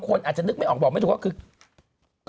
คุณหนุ่มคุณไปกี่ที่